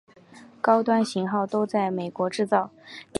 高端型号都在美国制造。